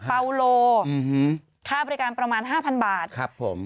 เปาโลค่าบริการประมาณ๕๐๐บาทครับผม